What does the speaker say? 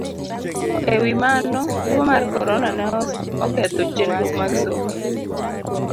E wi mano, tuwo mar Corona ne oketho chenro mag somo